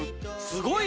すごい。